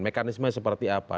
mekanisme seperti apa